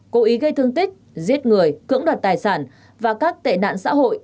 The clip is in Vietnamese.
cố ý gây thương tích giết người cưỡng đoạt tài sản và các tệ nạn xã hội